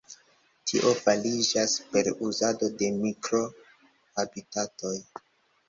Tio fariĝas per uzado de mikro-habitatoj.